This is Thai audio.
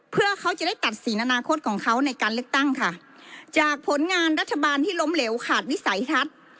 เพื่อเขาจะได้ตัดสินอนาคตของเขาในการเลือกตั้งค่ะจากผลงานรัฐบาลที่ล้มเหลวขาดวิสัยทัศน์